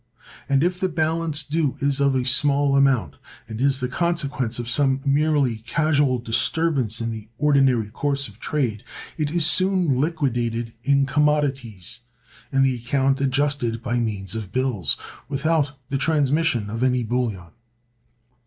And if the balance due is of small amount, and is the consequence of some merely casual disturbance in the ordinary course of trade, it is soon liquidated in commodities, and the account adjusted by means of bills, without the transmission of any bullion.